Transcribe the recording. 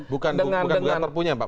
bukan bukan bukan perpunya pak